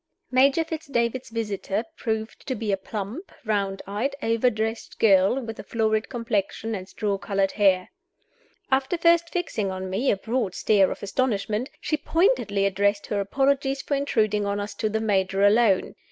MAJOR FITZ DAVID'S visitor proved to be a plump, round eyed overdressed girl, with a florid complexion and straw colored hair. After first fixing on me a broad stare of astonishment, she pointedly addressed her apologies for intruding on us to the Major alone.